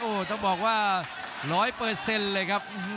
โอ้โหต้องบอกว่า๑๐๐เลยครับ